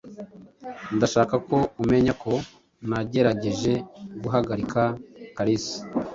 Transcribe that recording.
Ndashaka ko umenya ko nagerageje guhagarika Kalisa.